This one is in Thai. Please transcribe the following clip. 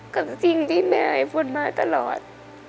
กับสิ่งที่แม่ช่วยฝนมาตลอด